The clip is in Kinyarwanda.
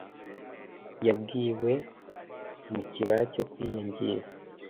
yabwiwe mu kibaya cyo kwiyangiza